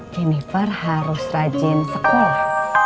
jennifer harus rajin sekolah